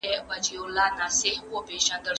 هغه خپله نظريه د ټولنيز پيوستون پر بنسټ جوړه کړه.